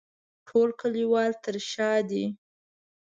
ټول کلیوال تر شا دي.